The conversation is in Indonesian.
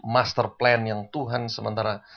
master plan yang tuhan sementara